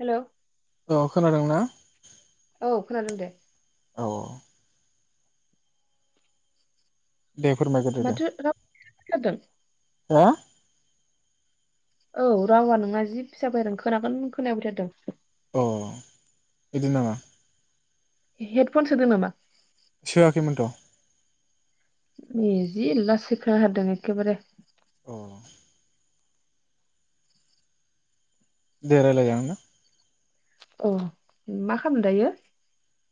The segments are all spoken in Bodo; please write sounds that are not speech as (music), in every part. हेलौ औ खोनादोंना? औ खोनादों दे। अ दे फोरमाय गोरदो दे। माथो राव खोनादों ओ आ औ रावा नोंना जि फिसा फैदों खोनागोन खोनाया फैथारदों। अ बिदि नङा। हेडफन सोदों नामा? सोआखैमोनथ'। इजि लासै खोनाथारदों एखेबारे। अ दे रायलाय जागोन ना। अ मा खामदों दायो?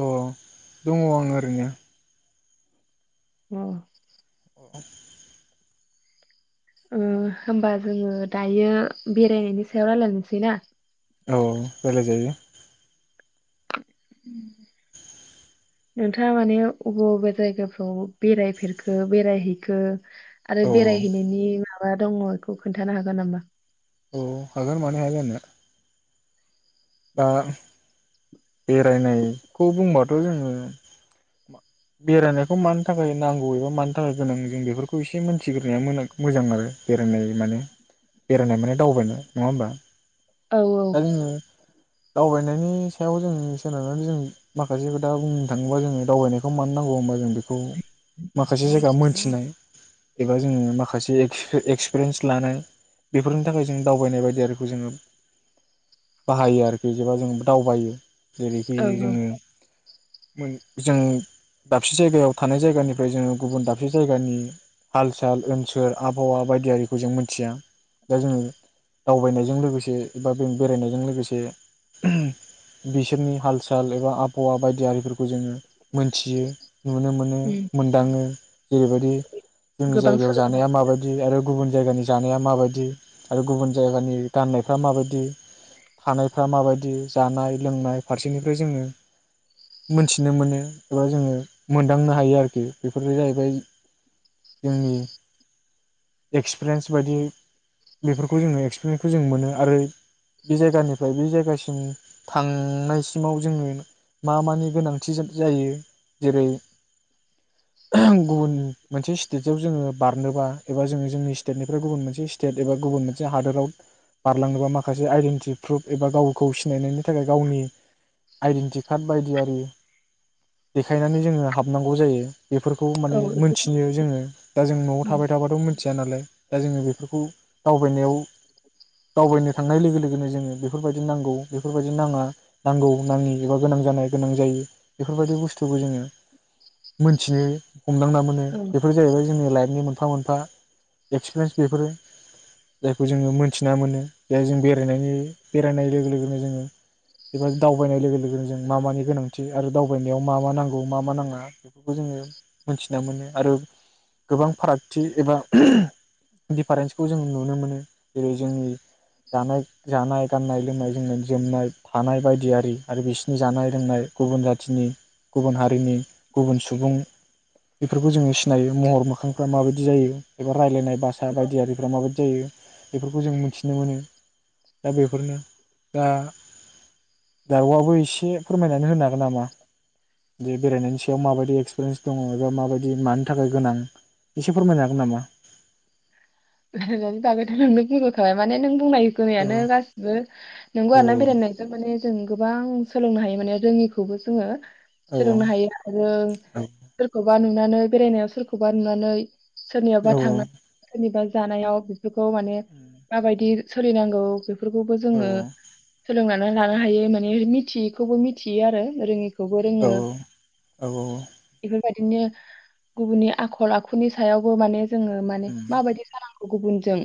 अ दङ आङो ओरैनो। न (unintelligible) ओ होमबा जोङो दायो बेरायनायनि सायाव रायलायनोसै ना। औ रायलाय जायो। उम नोंथाङा माने अबे बबे जायगाफ्राव बेरायफेरखो बेरायहैखो आरो औ बेरायहैनायनि माब बा मा दङ बेखौ खोन्थानो हागोन नामा? अ हगोन मानो हाया जानो। दा बेरायनायखौ बुंबाथ' जोङो बेरायनायखौ मानि थाखाय नांगौ एबा मानि थाखाय गोनां जों बेफोरखौ एसे मोनथिग्रोनाया मोजां आरो बेरायनाय माने बेरायनाय माने दावबायनाय नङा होमबा। औ औ दा जोङो दावबायनायनि सायाव जों सोनारनानै जों माखासे खोथा बुंनो थाङोबा जोङो दावबायनायखौ मानो नांगौ होमबा जों बेखौ माखासे जायगा मोनथिनाय एबा जोङो माखासे एक्स एक्सपिरियेन्स लानाय बेफोरनि थाखाय जों दावबायनाय बायदिखौ जोङो बाहायो आरो गैजोबा जों दावबायो जेरैखि ओं ओं जोङो मोन जों दाबसे जायगायाव थानाय जायगानिफ्राय जोङो गुबुन दाबसे जायगानि हाल साल ओनसोल आबहावा बायदियारिखौ जों मिथिया दा जोङो दावबायनायजों लोगोसे बेबा बे बेरायनायजों लोगोसे बिसोरनि हाल साल एबा आबहावा बायदि आरिफोरखौ जोङो मोनथियो नुनो मोनो उम मोनदाङो जेरैबायदि जोंनि गोबां जायगायाव सोलों जानाया माबायदि आरो गुबुन जायगानि जानाया माबायदि आरो गुबुन जायगानि गाननायफ्रा माबायदि थानायफोर फ्रा माबायदि जानाय लोंनाय फारसेनिफ्राय जोङो मोनथिनो मोनो एबा जोङो मोनदांनो हायो आरोखि बेफोर जाहैबाय जोंनि एक्सपिरियेन्स बादि बेफोरखौ जोङो एक्सपिरियेन्सखौ जों मोनो आरो बे जायगानि फ्राय बे जायगासिम थांनायसिमाव जोङो मा मानि गोनांथि जायो जेरै गुबुन मोनसे स्टेटआव जोङो बारनोबा एबा जोङो जोंनि स्टेटनिफ्राय गुबुन मोनसे स्टेट एबा गुबुन मोनसे हादोराव बारलांनोबा माखासे आइडेन्टि प्रुफ एबा गावखौ सिनायनायनि थाखाय गावनि आइडेन्टि कार्ड बायदियारि देखायनानै जोङो हाबनांगौ जायो। बेफोरखौ औ माने मोनथिनो जोङो दा जों न'आव थाबाय थाबाथ' मोन मिथिया नालाय दा जोङो बेफोरखौ दावबायनायाव दावबायनो थांनाय लोगो लोगोनो जोङो बेफोरबायदि नांगौ बेफोरबायदि नाङा नांगौ नाङि एबा गोनां जानाय गोनां जायि बेफोरबायदि बुस्थुखौ जोङो मोनथिनो हमदांना मोनो औ बेफोर जाहैबाय जोंनि लाइफनि मोनफा मोनफा एक्सपिरियेन्स बेफोरो जायखौ जोङो मोनथिना मोनो जाय जों बेरायनायनि बेरायनाय लोगो लोगोनो जोङो एबा दावबायनाय लोगो लोगोनो जों मा मानि गोनांथि आरो दावबायनायाव मा मा नांगौ मा मा नाङा बेफोरखौ जोङो मोनथिना मोनो आरो गोबां फारागथि एबा दिफारेन्सखौ जों नुनो मोनो जेरै जोंनि जानाय जानाय गाननाय लोमनाय जोमनाय जोमनाय थानाय बायदि आरि आरो बिसनि जानाय लोंनाय गुबुन जाथिनि गुबुन हारिनि गुबुन सुबुं बेफोरखौ जोङो सिनायो महर मोखांफ्रा माबायदि जायो एबा रायलायनाय बासा बायदि आरिफ्रा माबायदि जायो बेफोरखौ जों मिथिनो मोनो दा बे बेफोरनो दा दाउआबो एसे फोरमायनानै होनो हागोन नामा? जे बेरायनायनि सायाव माबायदि एक्सपिरियेन्स दङ एबा माबायदि मानि थाखाय गोनां एसे फोरमायनो हागोन नामा? (unintelligible) दाबोथ नोंनो बुंफोरनाय माने नों बुंनाय औ होनायानो गासिबो नंगौ औ आरोना बेरायनायजों माने जों गोबां सोलोंनो हायो माने रोङिखौबो जोङो औ सोलोंनो हायो आरो सोरखौबा नों नुनानै बेरायनायाव सोरखौबा नुनानै सोरनियावबा औ थांनानै सोरनिबा जानायाव बेखौ माने माबायदि सोलिनांगौ बेफ फोरखौबो औ जोङो सोलोंनानै लानो हायो माने मिथियैखौबो मिथियो आरो रोङै खौबो रोङो औ बेफोरबायद। बिदिनो गुबुननि आखल आखुनि सायावबो माने जोङो माने माबायदि गुबुनजों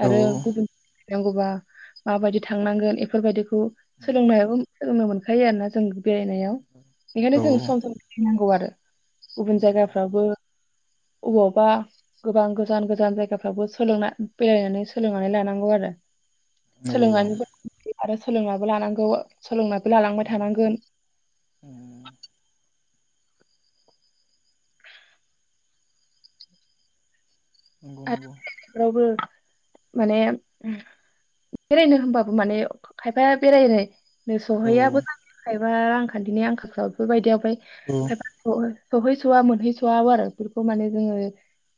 औ आरो गुबुन नांगौबा माबायदि थांनांगोन एफोरबायदि खौ सोलोंनायाबो सोलोंनो मोनखायो आरोना जों बेरायनायाव बेखायनो औ जों सम सम बेरायनांगौ आरो। गुबुन औ जायगाफ्रावबो अबावबा गोबां गोजान गोज जान जायगाफ्रावबो सोलोंना बेरायनानै सोलोंनानै लानांगौ आरो। नंगौ सोलोंनानैबो (inaudible) आरो सोलोंनाबो लानांगौ सोलोंना बो लालांबाय औ थानांगोन। नंगौ नंगौ आरो रावबो माने बेरायनो होमबाबो माने खायफाया बेरायनाय नो औ सहैयाबो (unintelligible) बा रांखान्थिनि आंखालफ्राव बेफोरबायदियाव फाय औ औ खायफा (unintelligible) सौहैस'वा मोनहैस'व आरो बेफोरखौ माने जोङो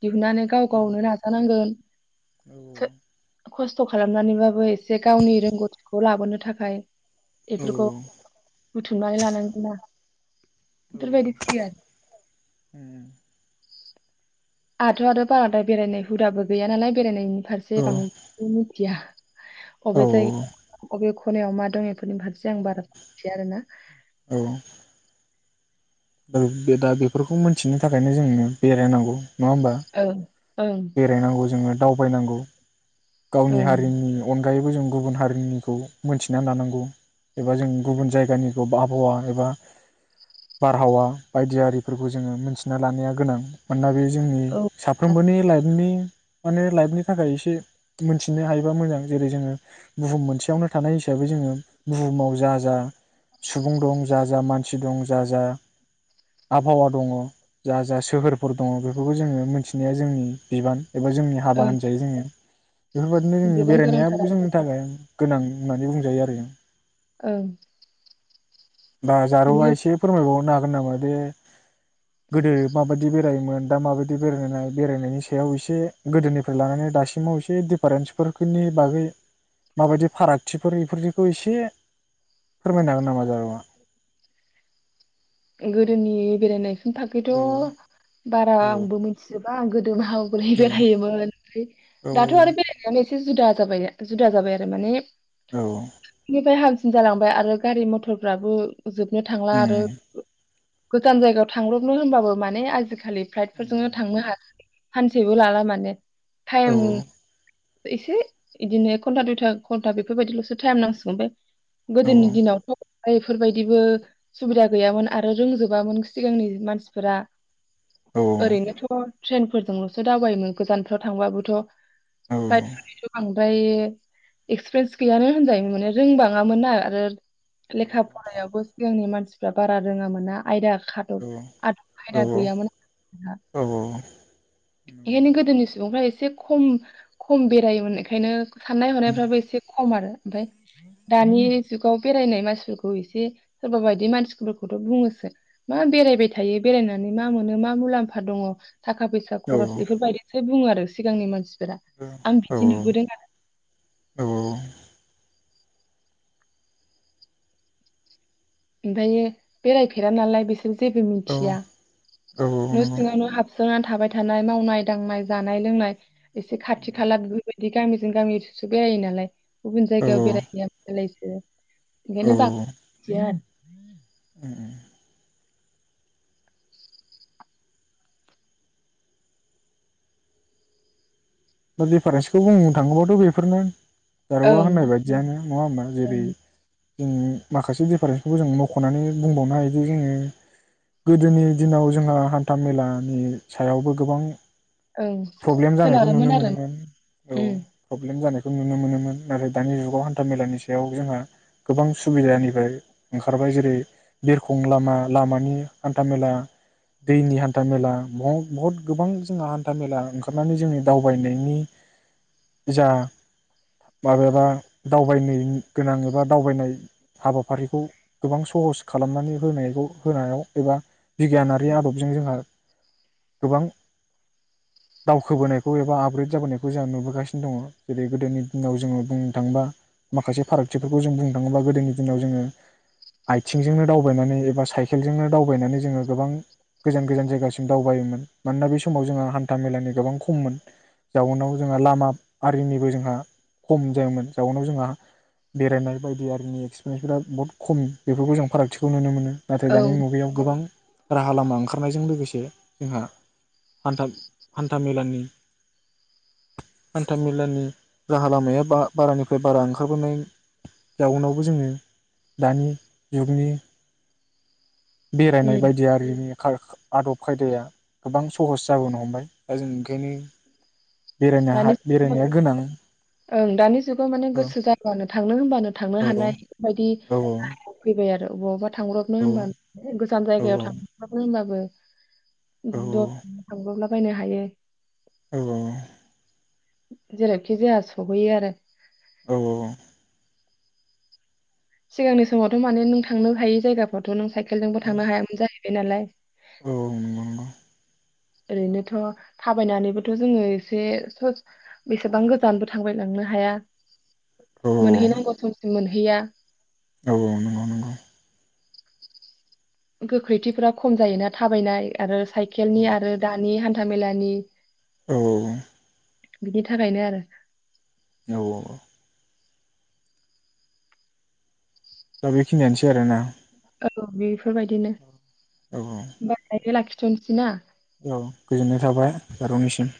दिहुननानै गाव गावनो नाजानांगोन। औ औ खस्थ' खालामनानैबाबो एसे गावनि रोंगौथिखौ लाबोनो थाखाय। बेफोरखौ औ बुथुमनानै लानांगोनना। बेफोरबादि फैयो आरो। आहाथ' आरो बाराद्राय बेरायनाय हुदाबो गैया नालाय बेरायनायनि फारसे बां मिथिया। औ अबे जायगा अबे ख खनायाव मा दं ए फोरनि फारसे आं बारा मिथिया आरोना। औ बे दा बेफोरखौ मोनथिनो थाखायनो जोंनो बेरायनांगौ। नङा होमबा? ओं ओं बेरायनांगौ जोङो। दावबायनांगौ। गावनि ओं हारिनि अनगायैबो जों गुबुन हारिनिखौ मोनथिना लानांगौ एबा जों गुबुन जायगानिखौ आबहावा एबा बारहावा बायदियारिफोरखौ जोङो मोनथिना लानाया गोनां मानोना बे जोंनि औ साफ्रोमबोनि लाइफनि माने लाइफनि थाखाय एसे मोनथिनो हायोबा मोजां जेरै जोङो बुहुम मोनसेयावनो थानाय हिसाबै जोङो बुहुमाव जा जा सुबुं दं जा जा मानसि दं जा जा आबहावा दङ जा जा सोहोरफोर दङ बेफोरखौ जोङो मोनथिनाया जोंनि बिबान। एबा जोंनि हाबा ओं होनजायो जोङो। बेफोरबादिनो गोबां गोनांथार बेरायनायाबो आरो जोंनि बेफोर थाखाय गोनां। होननानै बुंजायो आरो जों ओं बा जारौआ माने एसे फोरमायबावनो (unintelligible) हागोन नामा बे गोदो माबायदि बेरायोमोन दा माबायदि बेरायहनाय बेरायनायनि सायाव एसे गोदोनिफ्राय लानानै दासिमाव एसे दिडिफारेन्सखनि बागै माबायदि फारागथिफोर बेफोरनिखौ एसे फोरमायनो हागोन नामा जारौआ। गोदोनि बेरायनाय नि औ थाखायैथ' बारा औ आंबो मिथिजोब (unintelligible) (unintelligible) बेरायोमोन औ दाथ' आरो बेराय। एसे जुदा जाबाय जुदा जाबाय आरो माने। औ (unintelligible) सिन जालांबाय आरो गारि मथरफ्राबो। जोबनो थांला आरो उम गोजान जायगायाव थांब्रबनो होनबाबो माने आजिखालि फ्लाइटफोरजोंनो थांनो हासै सानसेबो लाला माने औ टाइम इसे इदिनो एक घन्टा दुइथा घन्टा बेफोरबायदिल'सो टाइम नांसिगौ ओमफाय औ गोदोनि दिनावथ' दा इफोरबायदिबो सुबिदा गैयामोन आरो रोंजोबामोन सिगांनि मानसिफोरा औ ओरैनोथ' ट्रेनफोरजोंल'सो दावबायोमोन गोजानफ्राव थांबाबोथ' औ औ (unintelligible) फ्राय एक्सपिरियेन्स गैयानो होनजायो माने रोंबाङामोनना आरो लेखा फरायावबो सिगांनि मानसिफ्रा बारा रोङा मोना आयदा खादब आ-आयदा गैयामोन औ औ बेखायनो गोदोनि सुबुंफ्रा एसे एसे खम खम बेरायोमोन एखायनो साननाय हनायफ्राबो एसे खम आरो ओमफाय दानि जुगाव बेरायनाय मानसिफोरखौ एसे सोरबा बायदि मानसि (unintelligible) थ' बुङोसो मा बेरायबाय थायो बेरायनानै मा मोनो मा मुलाम्फा दङ? थाखा फैसा खरस इफोरबायदिसो बुङो आरो सिगांनि मानसि फोरा आं बिदि नुबोदों आरो नंगौ ओमफायो बेरायफेरा नालाय बेसो र जेबो मिथिया न' सिङावनो हाबसो सोनानै थाबाय थानाय मावनाय दांनाय जानाय लोंनाय एसे खाथि खाला (unintelligible) बिदि गामिजों गामिलसो बेरायो नालाय गुबुन जायगायाव बेलाय (unintelligible) ए औ ओंखायनो बां (unintelligible) (inaudible) ओ दिफारेन्सखौ बुंनो थाङोबाथ' बेफोरनो जारौवा ओं होननाय बायदियानो नङा होमबा जेरै ओं जों माखासे दिफारेनखौबो जों मख'नानैनो बुंबावनो हायोदि जोङो गोदोनि दिनाव जोंहा हान्था मेलानि सायावबो गोबां ओं प्रब्लेम जानायखौ नुनो सोनारोमोन आरो मोनोमोन औ ओं प्रब्लेम जानायखौ नुनो मोनोमोन नाथाय दानि जुगाव हान्था मेलानि सायाव जोंहा गोबां सुबिदानिफ्राय ओंखारबाय जेरै बिरखं लामा लामानि हान्थ मेला दैनि हान्था मेला बहुत गोबां जोंहा हान्था मेला ओंखारनानै जोंनि दाव बायनायनि जा माबेबा दावबायनो गोनां एबा दावबायनाय हाबाफारिखौ गोबां सहस खालामनानै होनायखौ होनायाव एबा बिगियानारि आदबजों जोंहा गोबां दावखोबोनाय खौ एबा आपग्रेद जाबोनायखौ जोंहा नुबोगासिनो दङ जेरै गोदोनि दिनाव जोङो बुंनो थाङोबा माखासे फारागथिफोरखौ जों बुंनो थाङोबा गोदोनि दिनाव जोङो आथिंजोंनो दावबायनानै एबा साइकेलजोंनो दावबायनानै जोङो गोबां गोजान गोजान जायगासिम दावबायोमोन मानोना बे समाव जोंहा हान्था मेलानि गोबां खममोन जाउनाव जोंहा लामा आरमिनिबो जोंहा खम जायोमोन जाउनाव जोंहा बेरायनाय बायदि आरिनि एक्सपिरियेन्सफोरा बहुत खम बेफोरखौ जों फारागथिखौ नुनो मोनो नाथाय दानि औ मुगायाव गोबां राहा लामा ओंखारनायजों लोगोसे जोंहा हान्था हान्था मेलानि हान्थामेलानि राहा लामाया बा बारानिफ्राय बारा ओंखारबोनाय जाउनावबो जोङो दानि जुगनि बेरायनाय उम बायदि आरिनि खार आदब खायदाया गोबां सहस जाबोनो हमबाय दा जों ओंखायनो बेरायनो हा दानि बेरायनाया गोनां ओं दानि जुगाव माने गोसो जाब्लानो थांनो होनब्लानो थांनो औ हानाय औ बेबायदि लामायाव फैबाय आरो अबावबा औ थांब्रबनो होनबा गोजान जायगायाव औ थांब्रबनो होनबाबो औ द थांब्रबना दावबायनो हायो औ औ औ जेरावखि जाया सहैयो आरो औ औ औ सिगांनि समावथ' माने नों थांनो हायो जायगाफ्रावथ' नों साइ केलजोंबो औ थांनो हायामोन (unintelligible) बिनालाय औ नंगौ नंगौ ओरैनोथ' थाबायनानैबोथ' जोङो एसे बेसेबां गोजानबो थांबाय लांनो हाया औ मोनहै नांगौ समसिम मोन गैया औ औ नंगौ नंगौ गोख्रैथिफोरा खम जायोना थाबायनाय आरो औ साइकेलनि आरो दानि था मेलानि औ औ बिनि थाखायनो आरो औ औ दा बेखिनियानोसै आरोना औ बेफोरबायदिनो औ औ दे लाखिथनसै ना औ गोजोननाय थाबाय जारौनिसिम